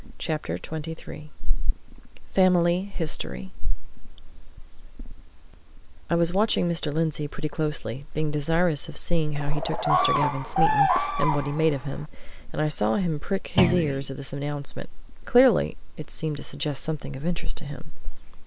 CHAPTER XXIII FAMILY HISTORY I was watching Mr. Lindsey pretty closely, being desirous of seeing how he took to Mr. Gavin Smeaton, and what he made of him, and I saw him prick his ears at this announcement; clearly, it seemed to suggest something of interest to him.